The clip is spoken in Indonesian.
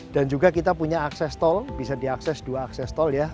dan juga kita punya akses tol bisa diakses dua akses tol ya